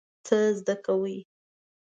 څه زده کوئ؟